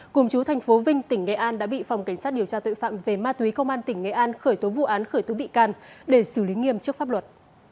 cùng chú thành phố vinh tỉnh nghệ an đã bị phòng cảnh sát điều tra tội phạm về ma túy công an tỉnh nghệ an khởi tố vụ án khởi tố bị can để xử lý nghiêm trước pháp luật